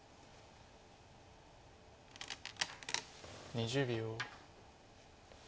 ２０秒。